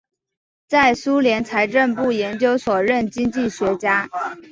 在苏联财政部研究所任经济学家。